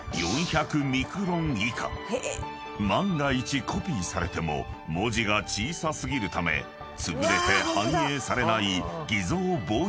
［万が一コピーされても文字が小さ過ぎるためつぶれて反映されない偽造防止技術だ］